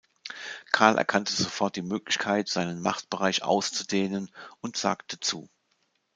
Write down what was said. Karl erkannte sofort die Möglichkeit, seinen Machtbereich auszudehnen, und sagte zu.